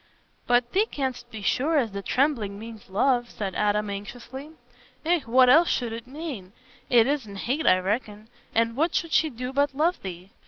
"But thee canstna be sure as the trembling means love?" said Adam anxiously. "Eh, what else should it mane? It isna hate, I reckon. An' what should she do but love thee?